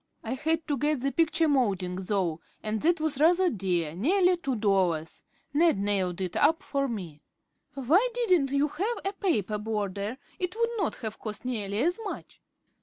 I had to get the picture moulding, though, and that was rather dear, nearly two dollars. Ned nailed it up for me." "Why didn't you have a paper border; it would not have cost nearly as much?"